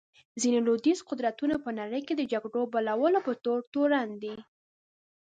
ځینې لوېدیځ قدرتونه په نړۍ کې د جګړو بلولو په تور تورن دي.